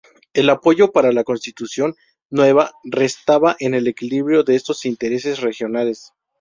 El apoyo para la Constitución nueva restaba en el equilibrio de estos intereses regionales.